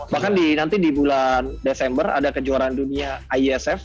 bahkan nanti di bulan desember ada kejuaraan dunia iesf